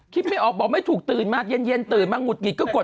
ไม่ออกบอกไม่ถูกตื่นมาเย็นตื่นมาหงุดหงิดก็กด